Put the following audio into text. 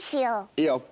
いいよ。